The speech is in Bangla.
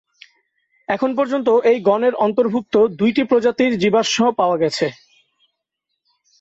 এখন পর্যন্ত এই গণের অন্তর্ভুক্ত দুইটি প্রজাতির জীবাশ্ম পাওয়া গেছে।